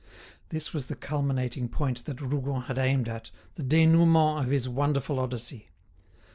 This was the culminating point that Rougon had aimed at, the dénouement of his wonderful Odyssey.